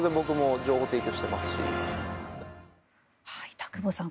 田久保さん